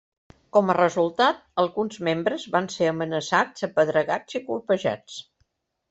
Com a resultat, alguns membres van ser amenaçats, apedregats i colpejats.